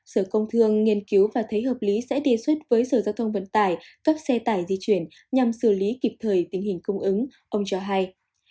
sở công thương nghiên cứu và thấy hợp lý sẽ đề xuất với sở giao thông vận tải các xe tải di chuyển nhằm xử lý kịp thời tình hình cung ứng ông cho hay